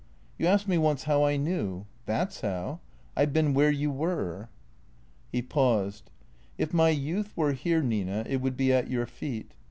You asked me once how I knew. That 's how. I 've been where you were." He paused. " If my youth were here, Nina, it would be at your feet.